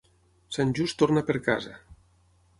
Sant Just torna per casa.